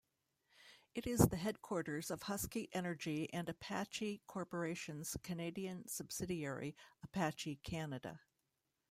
It is the headquarters of Husky Energy and Apache Corporation's Canadian subsidiary, Apache Canada.